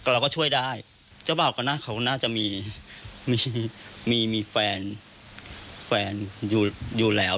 เราก็ช่วยได้เจ้าบ่าวก็น่าเขาน่าจะมีมีมีมีแฟนแฟนอยู่อยู่แล้ว